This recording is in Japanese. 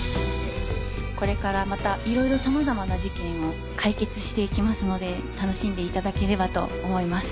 これからまた色々様々な事件を解決していきますので楽しんでいただければと思います。